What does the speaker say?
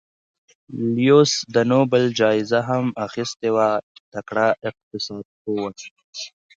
لیوس د نوبل جایزه هم اخیستې وه چې تکړه اقتصاد پوه و.